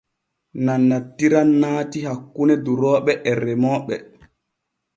Nanantiran naatii hakkune durooɓe et remooɓe.